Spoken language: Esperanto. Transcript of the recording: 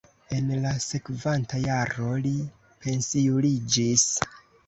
En la sekvanta jaro li pensiuliĝis.